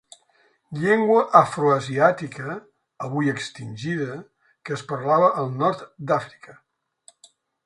Llengua afroasiàtica, avui extingida, que es parlava al nord d'Àfrica.